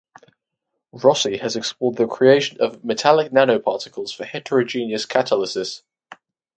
Rossi has explored the creation of metallic nanoparticles for heterogeneous catalysis.